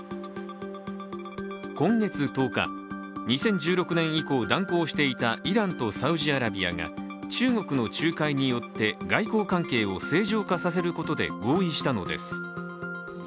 今月１０日、２０１６年以降断交していたイランとサウジアラビアが中国の仲介によって外交関係を正常化させることで合意したのです。